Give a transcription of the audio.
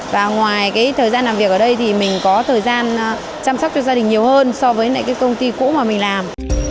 và ngoài thời gian làm việc ở đây thì mình có thời gian chăm sóc cho gia đình nhiều hơn so với cái công ty cũ mà mình làm